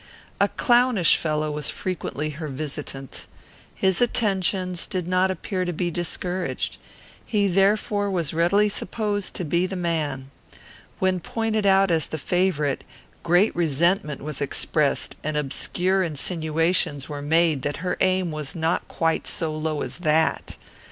A clownish fellow was frequently her visitant. His attentions did not appear to be discouraged. He therefore was readily supposed to be the man. When pointed out as the favourite, great resentment was expressed, and obscure insinuations were made that her aim was not quite so low as that.